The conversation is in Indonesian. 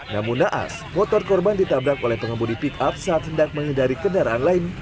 namun naas motor korban ditabrak oleh pengemudi pick up saat hendak menghindari kendaraan lain